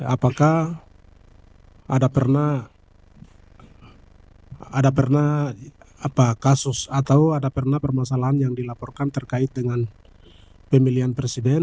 apakah ada pernah ada pernah kasus atau ada pernah permasalahan yang dilaporkan terkait dengan pemilihan presiden